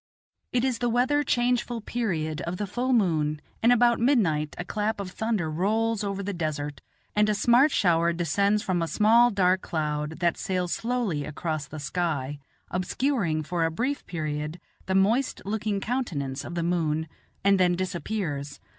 It is the weather changeful period of the full moon, and about midnight a clap of thunder rolls over the desert, and a smart shower descends from a small dark cloud, that sails slowly across the sky, obscuring for a brief period the moist looking countenance of the moon, and then disappears.